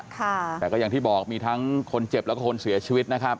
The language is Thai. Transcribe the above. แต่ก็อย่างที่บอกมีทั้งคนเจ็บแล้วก็คนเสียชีวิตนะครับ